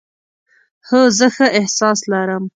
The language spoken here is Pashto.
هو، زه ښه احساس لرم